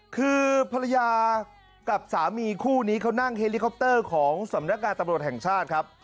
คือภรรยากับสามีคู่นี้เขานั่งเฮลิคอปเตอร์ของสำนักงานตำรวจแห่งชาติครับ